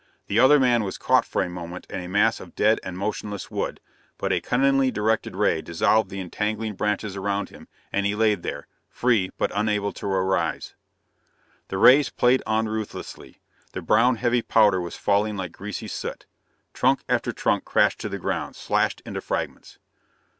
The other man was caught for a moment in a mass of dead and motionless wood, but a cunningly directed ray dissolved the entangling branches around him and he lay there, free but unable to arise. The rays played on ruthlessly. The brown, heavy powder was falling like greasy soot. Trunk after trunk crashed to the ground, slashed into fragments.